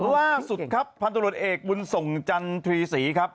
ล่าสุดครับพันธุรกิจเอกบุญส่งจันทรีศรีครับ